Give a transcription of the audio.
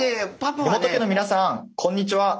梨本家の皆さんこんにちは。